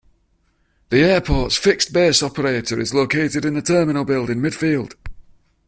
The airport's fixed-base operator is located in the terminal building midfield.